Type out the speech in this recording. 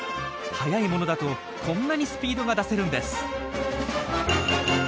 早い者だとこんなにスピードが出せるんです。